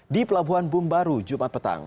di pelabuhan bumbaru jumat petang